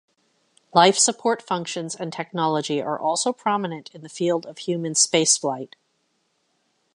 Life support functions and technology are also prominent in the field of human spaceflight.